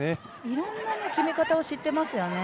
いろんな決め方を知っていますよね。